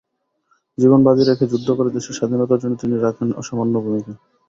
জীবন বাজি রেখে যুদ্ধ করে দেশের স্বাধীনতা অর্জনে তিনি রাখেন অসামান্য ভূমিকা।